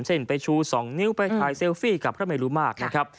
เช่นไปชู๒นิ้วไปถ่ายเซลฟี่กับพระเมรุมาตรนะครับ